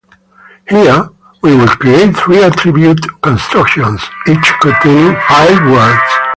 Here, we will create three attributive constructions, each containing five words.